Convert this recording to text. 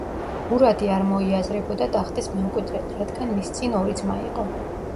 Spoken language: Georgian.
მურადი არ მოიაზრებოდა ტახტის მემკვიდრედ, რადგან მის წინ ორი ძმა იყო.